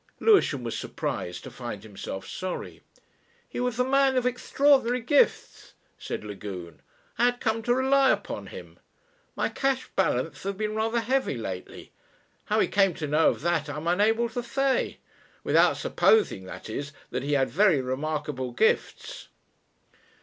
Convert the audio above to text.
Lewisham was surprised to find himself sorry. "He was a man of extraordinary gifts," said Lagune. "I had come to rely upon him.... My cash balance has been rather heavy lately. How he came to know of that I am unable to say. Without supposing, that is, that he had very remarkable gifts."